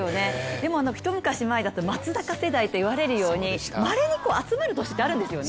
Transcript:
でも一昔前だと松坂世代といわれるようにまれに集まる年ってあるんですよね。